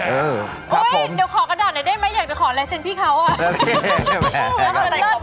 อุ๊ยเดี๋ยวขอกระดาษไหนได้ไหมอยากจะขอลายเซ็นพี่เขาอ่ะโอเคใช่ไหม